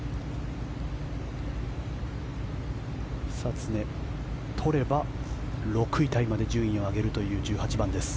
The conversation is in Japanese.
久常、取れば６位タイまで順位を上げるという１８番です。